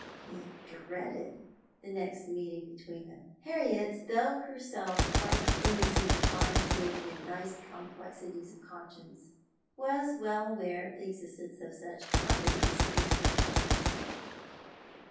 He dreaded the next meeting between them. Harriet, though herself quite innocent of fine feeling and nice complexities of conscience, was well aware of the existence of such properties in her cousin.